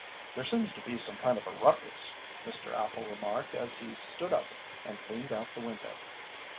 "There seems to be some kind of a ruckus," Mr. Appel remarked as he stood up and leaned out the window.